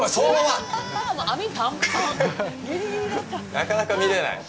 なかなか見れない。